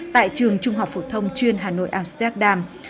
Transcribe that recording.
tại trường trung học phổ thông chuyên hà nội amsterdam